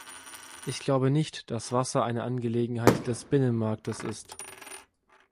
Ich glaube nicht, dass Wasser eine Angelegenheit des Binnenmarktes ist.